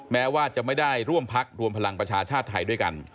แม้ว่าจะไม่ได้ร่วมพักรวมพลังประชาชาติไทยด้วยกัน